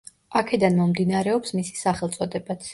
აქედან მომდინარეობს მისი სახელწოდებაც.